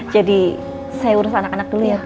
jadi saya urus anak anak dulu ya